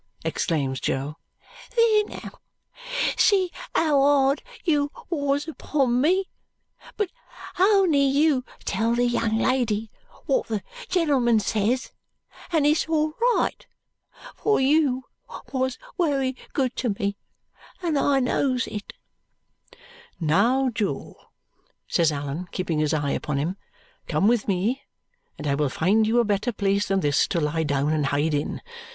exclaims Jo. "There now! See how hard you wos upon me. But ony you tell the young lady wot the genlmn ses, and it's all right. For YOU wos wery good to me too, and I knows it." "Now, Jo," says Allan, keeping his eye upon him, "come with me and I will find you a better place than this to lie down and hide in.